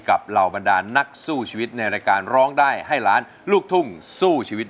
เหล่าบรรดานนักสู้ชีวิตในรายการร้องได้ให้ล้านลูกทุ่งสู้ชีวิต